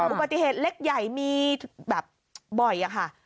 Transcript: อุบัติเหตุเล็กใหญ่มีแบบบ่อยอะค่ะ